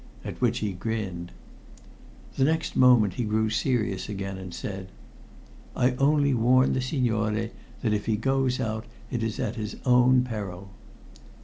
at which he grinned. The next moment he grew serious again, and said: "I only warn the signore that if he goes out it is at his own peril."